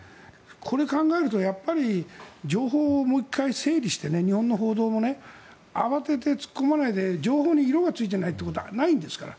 これを考えるとやっぱり情報をもう１回整理して日本の報道もね。慌てて突っ込まないで情報に色がついていないということはないんですから。